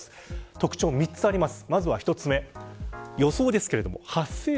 特徴が３つあります。